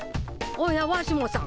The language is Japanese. おやわしもさん。